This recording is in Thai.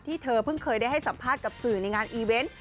เธอเพิ่งเคยได้ให้สัมภาษณ์กับสื่อในงานอีเวนต์